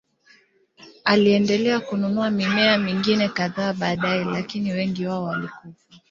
Aliendelea kununua mimea mingine kadhaa baadaye, lakini wengi wao walikufa.